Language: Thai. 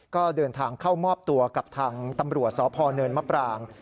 ก็เดินทางเข้ามอบตัวกับทางตำรวจสพเนินมะปราง